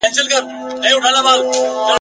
زر یې پټ تر وني لاندي کړل روان سول ..